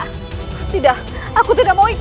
lepaskan aku tidak tidak aku tidak mau ikut